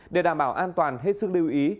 để đảm bảo an toàn hết sức lưu ý